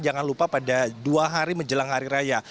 jangan lupa pada dua hari menjelang hari raya